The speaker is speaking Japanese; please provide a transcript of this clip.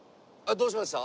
どうしました？